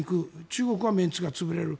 中国はメンツが潰れる。